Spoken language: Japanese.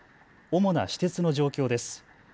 主な私鉄の状況です。